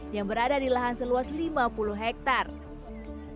yang berada di lahan seluas lima puluh hektare